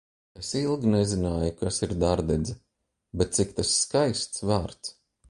Es ilgi nezin?ju, kas ir dardedze, bet cik tas skaists v?rds!